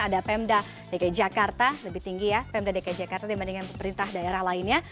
ada pemda dki jakarta lebih tinggi ya pemda dki jakarta dibandingkan pemerintah daerah lainnya